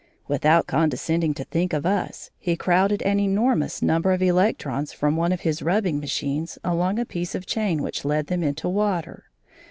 Without condescending to think of us, he crowded an enormous number of electrons from one of his rubbing machines along a piece of chain which led them into water.